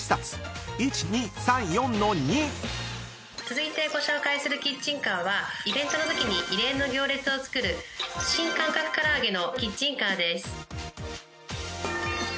［１２３４の２］続いてご紹介するキッチンカーはイベントのときに異例の行列をつくる新感覚からあげのキッチンカーです。